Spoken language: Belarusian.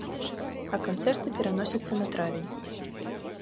А канцэрты пераносяцца на травень.